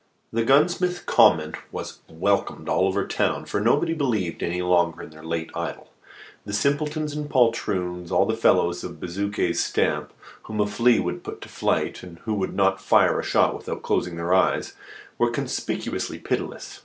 The gunsmith's comment was welcomed all over town, for nobody believed any longer in their late idol. The simpletons and poltroons all the fellows of Bezuquet's stamp, whom a flea would put to flight, and who could not fire a shot without closing their eyes were conspicuously pitiless.